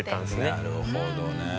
なるほどね。